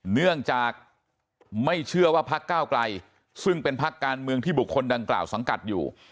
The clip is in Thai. เนื่องจากไม่เชื่อว่าพักเก้าไกลซึ่งเป็นพักการเมืองที่บุคคลดังกล่าวสังกัดอยู่